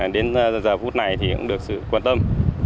đến giờ phút này cũng được sự quan tâm